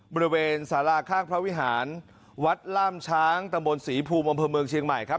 บริเวณสาราข้างพระวิหารวัดล่ามช้างตะบนศรีภูมิอำเภอเมืองเชียงใหม่ครับ